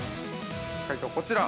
◆解答は、こちら。